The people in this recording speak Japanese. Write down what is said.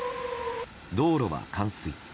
道路は冠水。